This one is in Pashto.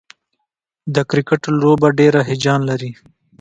د کرکټ لوبه ډېره هیجان لري.